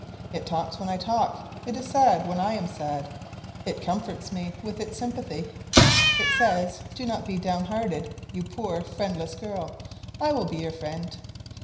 It talks when I talk; it is sad when I am sad; it comforts me with its sympathy; it says, "Do not be downhearted, you poor friendless girl; I will be your friend."